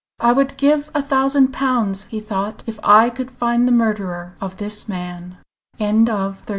"I would give a thousand pounds," he thought, "if I could find the murderer of this man." CHAPTER XXXII.